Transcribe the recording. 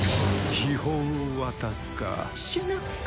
秘宝を渡すか死ぬか。